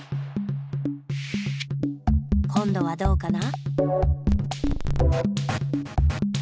こんどはどうかな？